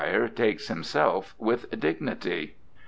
takes himself with dignity.